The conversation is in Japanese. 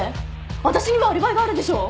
わたしにはアリバイがあるでしょう！